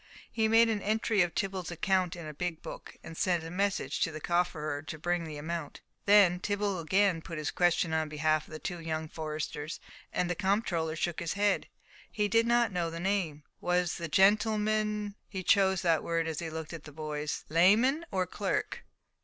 He made an entry of Tibble's account in a big book, and sent a message to the cofferer to bring the amount. Then Tibble again put his question on behalf of the two young foresters, and the comptroller shook his head. He did not know the name. "Was the gentleman" (he chose that word as he looked at the boys) "layman or clerk?"